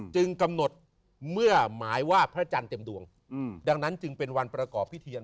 กำหนดเมื่อหมายว่าพระจันทร์เต็มดวงดังนั้นจึงเป็นวันประกอบพิเทียน